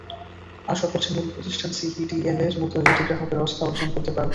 আশা করছি মূল প্রতিষ্ঠান সিপিডিএলের মতোই এটি গ্রাহকের আস্থা অর্জন করতে পারবে।